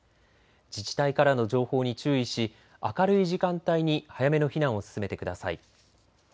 自治体からの情報に注意し明るい時間帯に早めの避難を進めてください。